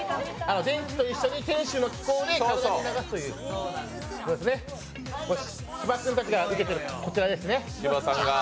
電気と一緒に、店主の気功で体に流すという芝君たちが受けている、こちらですね。